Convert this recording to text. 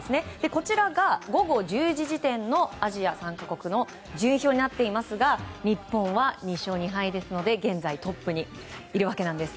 こちらが、午後１０時時点のアジア参加国の順位表になっていますが日本は２勝２敗ですので現在トップにいるわけなんです。